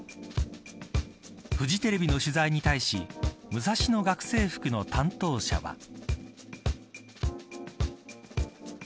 フジテレビの取材に対しムサシノ学生服の担当者は。